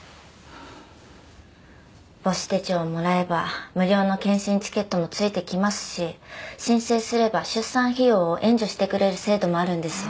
母子手帳をもらえば無料の健診チケットも付いてきますし申請すれば出産費用を援助してくれる制度もあるんですよ。